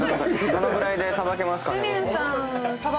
どのぐらいでさばけます？